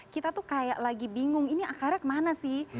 kita tuh kayak lagi bingung ini akarnya kemana sih